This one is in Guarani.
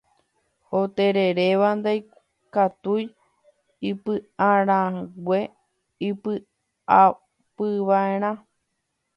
Otereréva ndaikatúi ipyʼarag̃e ipyʼaguapyvaʼerã.